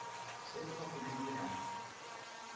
Все затолпились к дверям.